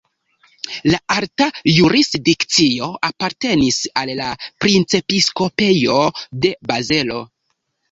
La alta jurisdikcio apartenis al la Princepiskopejo de Bazelo.